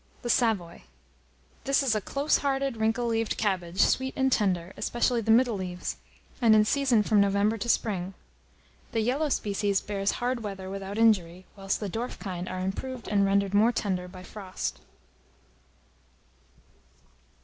THE SAVOY. This is a close hearted wrinkle leaved cabbage, sweet and tender, especially the middle leaves, and in season from November to spring. The yellow species bears hard weather without injury, whilst the dwarf kind are improved and rendered more tender by frost.